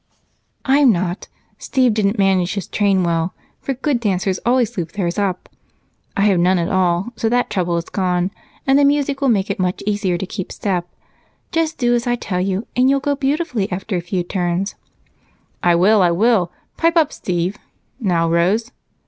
"I'm not. Steve didn't manage his train well, for good dancers always loop theirs up. I have none at all, so that trouble is gone and the music will make it much easier to keep step. Just do as I tell you, and you'll go beautifully after a few turns." "I will, I will! Pipe up, Steve! Now, Rose!"